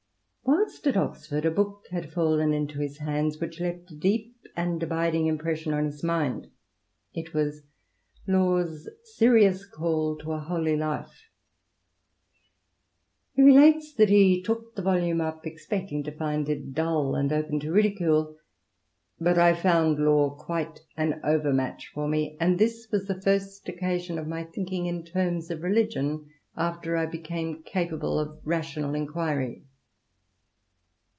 Whilst at Oxford a book had fallen into his hands which left a deep and abiding impression on his mind. It was LaVs Serious Call to a Holy Life. He relates that he took the volume up, expecting to find it dull and open to ridicule. "But I found Law quite an over match for me; and this was the first occasion of my thinking in earnest of Religion, after I became capable of rational enquiry."